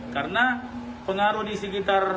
karena pengaruh di sekitar